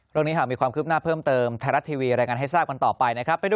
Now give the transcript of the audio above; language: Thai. เรื่องนี้หากมีความคืบหน้าเพิ่มเติมไทยรัฐทีวีรายงานให้ทราบกันต่อไปนะครับ